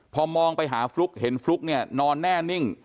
พอมองไปหาฟลุ๊กเห็นฟลุ๊กเนี่ยนอนแน่นิ่ง